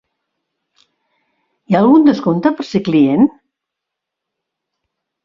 Hi ha algun descompte per ser client?